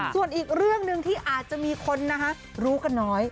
ส่วนอีกเรื่องหนึ่งที่อาจจะมีคนรู้กันน้อย